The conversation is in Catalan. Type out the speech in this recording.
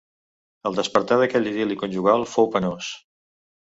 El despertar d'aquell idil·li conjugal fou penós.